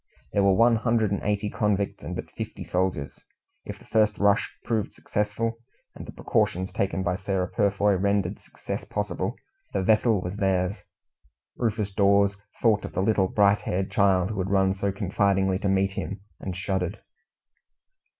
There were one hundred and eighty convicts and but fifty soldiers. If the first rush proved successful and the precautions taken by Sarah Purfoy rendered success possible the vessel was theirs. Rufus Dawes thought of the little bright haired child who had run so confidingly to meet him, and shuddered.